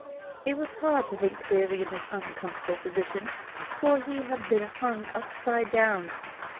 It was hard to think clearly in his uncomfortable position, for he had been hung upside down.